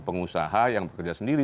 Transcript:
pengusaha yang bekerja sendiri